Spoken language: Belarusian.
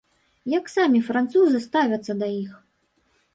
Як самі французы ставяцца да іх?